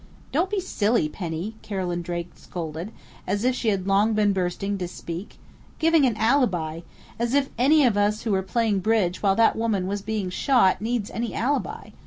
"Don't be silly, Penny!" Carolyn Drake scolded, as if she had long been bursting to speak. "Giving an alibi! As if any of us who were playing bridge while that woman was being shot needs any alibi!...